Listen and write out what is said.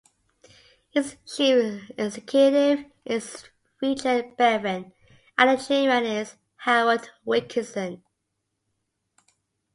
Its chief executive is Richard Bevan, and the chairman is Howard Wilkinson.